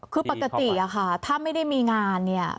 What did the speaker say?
คือปกติอะค่ะถ้าไม่ได้มีงานเนี่ย